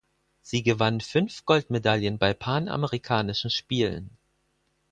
Sie gewann fünf Goldmedaillen bei Panamerikanischen Spielen.